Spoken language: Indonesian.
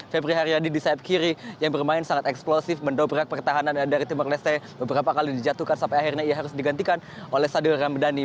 febri haryadi di saat kiri yang bermain sangat eksplosif mendobrak pertahanan dari timur leste beberapa kali dijatuhkan sampai akhirnya ia harus digantikan oleh sadil ramdhani